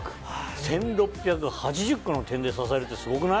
１６８０個の点で支えるってすごくない？